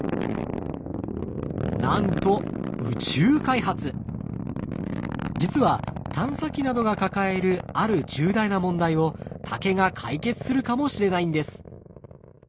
なんと実は探査機などが抱えるある重大な問題を竹が解決するかもしれないんです。